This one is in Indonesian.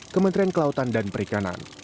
kementerian kelautan dan perikanan